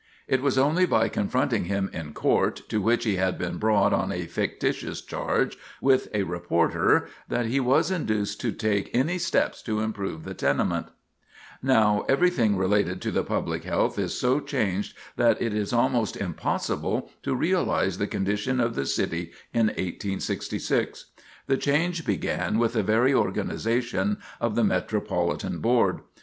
It was only by confronting him in court, to which he had been brought on a fictitious charge, with a reporter, that he was induced to take any steps to improve the tenement. [Sidenote: Epidemics Checked] Now everything relating to the public health is so changed that it is almost impossible to realize the condition of the city in 1866. The change began with the very organization of the Metropolitan Board.